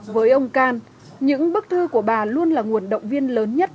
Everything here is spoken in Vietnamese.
với ông can những bức thư của bà luôn là nguồn động viên lớn nhất